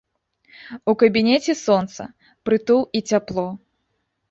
У кабінеце сонца, прытул і цяпло.